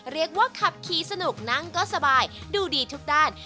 เรียกว่าขับขี่สนุกนั่งก็สบายดูดีทุกด้าน